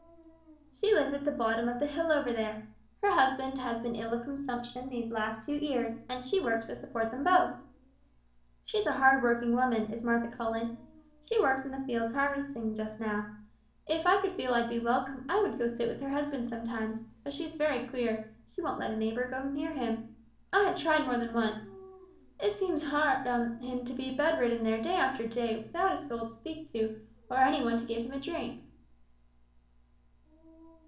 "She lives at the bottom of the hill over there. Her husband has been ill of consumption these last two years, and she works to support them both. She's a hard working woman, is Martha Cullen; she works in the fields harvesting just now; if I could feel I'd be welcome I would go to sit with her husband sometimes, but she's very queer, she won't let a neighbor come near him, I have tried more than once. It seems hard on him to be bedridden there day after day without a soul to speak to; or any one to give him a drink!"